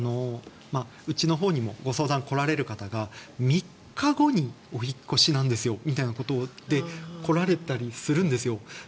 うちのほうにもご相談来られる方が３日後にお引っ越しなんですよみたいな方が来られたりするんですよ。